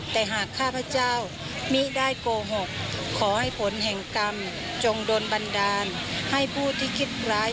แต่หากข้าพเจ้ามิได้โกหกขอให้ผลแห่งกรรมจงโดนบันดาลให้ผู้ที่คิดร้าย